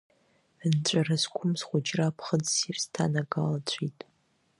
Нҵәара зқәым схәыҷра аԥхыӡ ссир сҭанагалацәеит!